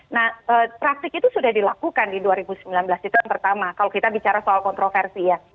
nah praktik itu sudah dilakukan di dua ribu sembilan belas itu yang pertama kalau kita bicara soal kontroversi ya